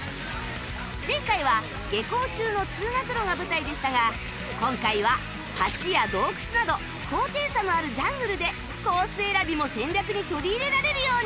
前回は下校中の通学路が舞台でしたが今回は橋や洞窟など高低差のあるジャングルでコース選びも戦略に取り入れられるように